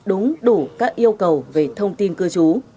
đúng đủ các yêu cầu về thông tin cơ chú